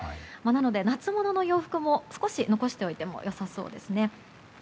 なので、夏物の洋服も少し、残しておいても良さそうですね。